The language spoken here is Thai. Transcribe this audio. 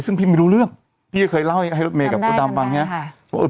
ซึ่งพี่ไม่รู้เรื่องพี่เคยเล่าให้รถเมฆกับโดดามบางอย่างนี้